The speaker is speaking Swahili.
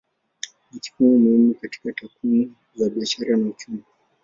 Ni kipimo muhimu katika takwimu za biashara na uchumi.